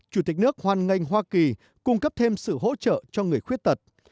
chủ tịch nước hoan nghênh hoa kỳ cung cấp thêm sự hỗ trợ cho người khuyết tật